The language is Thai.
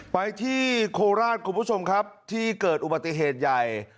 ไปที่โคราชคุณผู้ชมครับที่เกิดอุบัติเหตุใหญ่